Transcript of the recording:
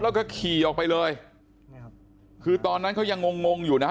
แล้วก็ขี่ออกไปเลยคือตอนนั้นเขายังงงงงอยู่นะฮะ